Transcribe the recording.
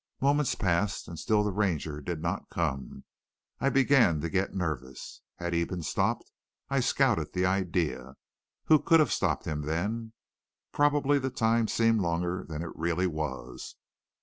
"Moments passed and still the Ranger did not come. I began to get nervous. Had he been stopped? I scouted the idea. Who could have stopped him, then? Probably the time seemed longer than it really was.